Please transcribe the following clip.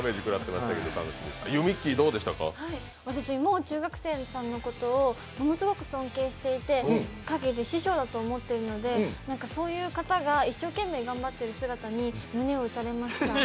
私、もう中学生さんのことをものすごく尊敬していて陰で師匠だと思っているので、そういう方が一生懸命頑張っている姿に胸を打たれました。